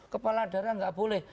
kepala daerah tidak boleh